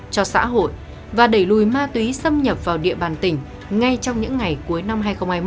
cho xã hội và đẩy lùi ma túy xâm nhập vào địa bàn tỉnh ngay trong những ngày cuối năm hai nghìn hai mươi một